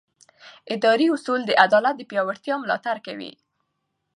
اداري اصول د عدالت د پیاوړتیا ملاتړ کوي.